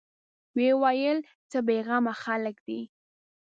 ويې ويل: څه بېغمه خلک دي.